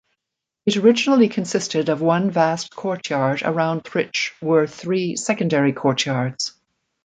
It originally consisted of one vast courtyard around which were three secondary courtyards.